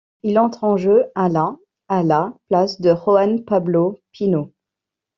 Il entre en jeu à la à la place de Juan Pablo Pino.